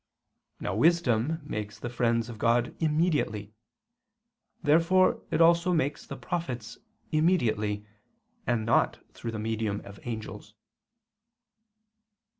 Now wisdom makes the friends of God immediately. Therefore it also makes the prophets immediately, and not through the medium of the angels.